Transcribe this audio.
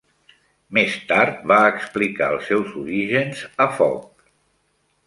Més tard, va explicar els seus orígens a Foc.